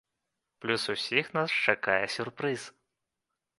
Плюс усіх нас чакае сюрпрыз!